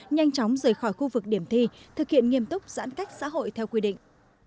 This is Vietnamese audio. nhanh chóng rời khỏi khu vực điểm thi thực hiện nghiêm túc giãn cách xã hội theo quy định